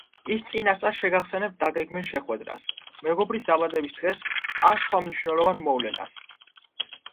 ის წინასწარ შეგახსენებთ დაგეგმილ შეხვედრას, მეგობრის დაბადების დღეს ან სხვა მნიშვნელოვან მოვლენას.